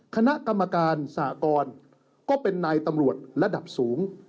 คณะกรรมการสหกรก็เป็นนายตำรวจระดับสูง